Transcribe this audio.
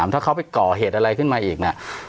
ถ้าเขาไปก่อเหตุอะไรขึ้นมาอีกเนี่ย